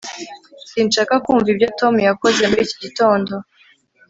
sinshaka kumva ibyo tom yakoze muri iki gitondo